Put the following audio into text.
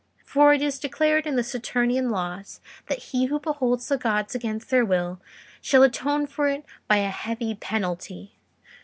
For it is declared in the Saturnian laws, that he who beholds the gods against their will, shall atone for it by a heavy penalty...